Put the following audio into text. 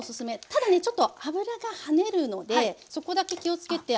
ただねちょっと油が跳ねるのでそこだけ気をつけて。